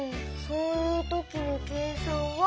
そういうときの計算は。